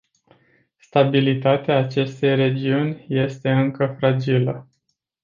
Stabilitatea acestei regiuni este încă fragilă.